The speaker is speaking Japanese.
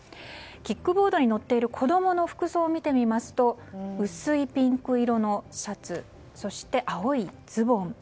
キックボードに乗っている子供の服装を見てみますと薄いピンク色のシャツそして、青いズボン。